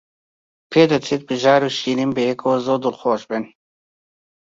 پێدەچێت بژار و شیرین بەیەکەوە زۆر دڵخۆش بن.